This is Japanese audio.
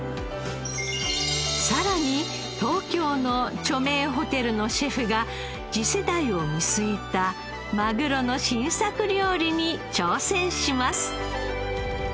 さらに東京の著名ホテルのシェフが次世代を見据えたマグロの新作料理に挑戦します。